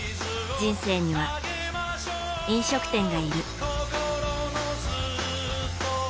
人生には、飲食店がいる。